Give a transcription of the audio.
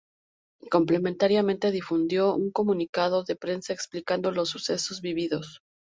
Complementariamente difundió un Comunicado de Prensa explicando los sucesos vividos.